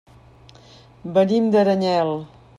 Venim d'Aranyel.